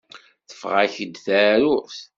Teffeɣ-ak-d teεrurt.